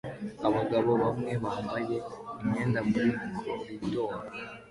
Abagabo bamwe bambaye imyenda muri koridoro